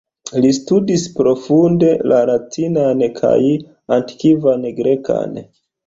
Li studis profunde la latinan kaj antikvan grekan.